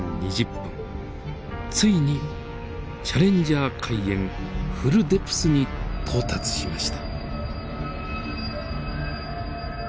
ついにチャレンジャー海淵フルデプスに到達しました。